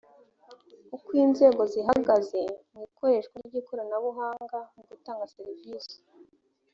uko inzego zihagaze mu ikoreshwa ry ikoranabuhanga mu gutanga serivisi